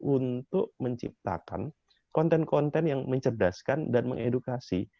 untuk menciptakan konten konten yang mencerdaskan dan mengedukasi